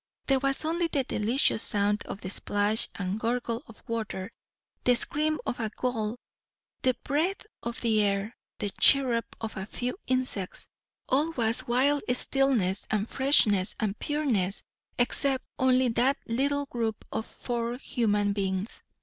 There was only the delicious sound of the splash and gurgle of waters the scream of a gull the breath of the air the chirrup of a few insects; all was wild stillness and freshness and pureness, except only that little group of four human beings.